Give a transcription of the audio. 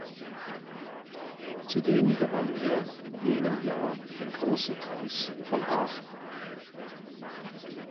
Zudem gewann er in jenem Jahr den Grossen Preis von Aachen.